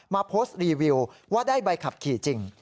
มาโพสต์รีวิวว่าได้ใบขับขี่จริง